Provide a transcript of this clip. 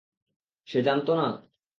সে জানত না?